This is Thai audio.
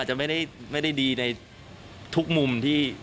จะไม่ได้ดีในทุกมุมที่